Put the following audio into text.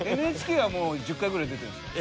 ＮＨＫはもう１０回ぐらい出てるんですか？